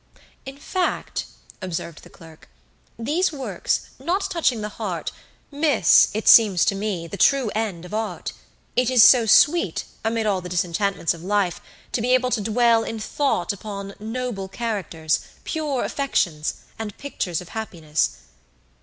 "In fact," observed the clerk, "these works, not touching the heart, miss, it seems to me, the true end of art. It is so sweet, amid all the disenchantments of life, to be able to dwell in thought upon noble characters, pure affections, and pictures of happiness.